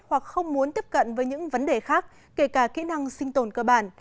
hoặc không muốn tiếp cận với những vấn đề khác kể cả kỹ năng sinh tồn cơ bản